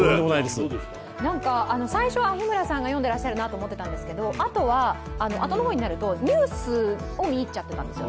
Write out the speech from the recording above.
最初は日村さんが読んでいらっしゃるなと思ったんですけど、あとの方になるとニュースを見入っちゃってたんですよ。